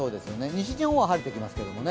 西日本は晴れてきますけどね。